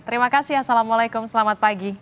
terima kasih assalamualaikum selamat pagi